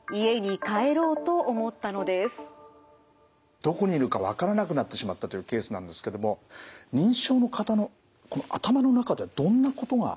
どこにいるかわからなくなってしまったというケースなんですけども認知症の方の頭の中ではどんなことが起きてるんですかね